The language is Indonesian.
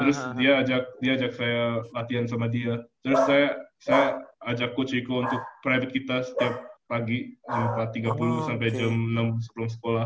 terus dia ajak saya latihan sama dia terus saya ajak coach eko untuk private kita setiap pagi tiga puluh sampai jam enam sebelum sekolah